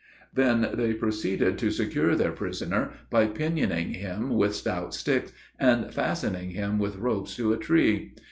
They then proceeded to secure their prisoner by pinioning him with stout sticks, and fastening him with ropes to a tree.